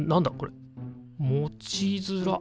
持ちづら！